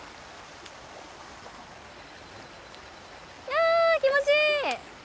やあ気持ちいい！